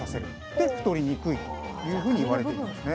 で太りにくいというふうに言われているんですね。